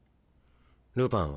ルパンは？